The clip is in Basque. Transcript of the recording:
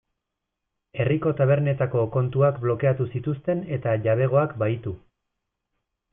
Herriko tabernetako kontuak blokeatu zituzten eta jabegoak bahitu.